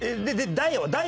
ダイヤは？